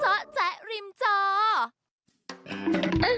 เจ้าแจ๊กริมเจ้า